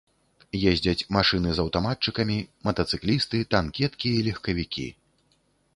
Ездзяць машыны з аўтаматчыкамі, матацыклісты, танкеткі і легкавікі.